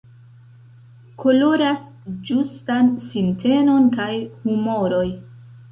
Koloras ĝustan sintenon kaj humoroj.